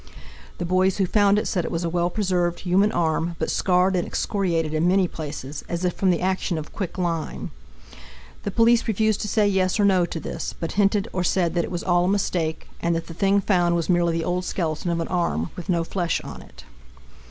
The boys who found it said it was a well preserved human arm, but scarred and excoriated in many places, as if from the action of quicklime. The police refused to say yes or no to this, but hinted or said that it was all a mistake, and that the thing found was merely the old skeleton of an arm with no flesh on it.